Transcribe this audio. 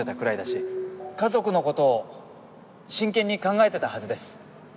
家族の事を真剣に考えてたはずです。